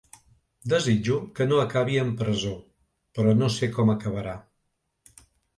Desitjo que no acabi amb presó, però no sé com acabarà.